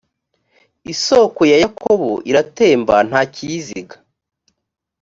isoko ya yakobo iratemba nta kiyiziga.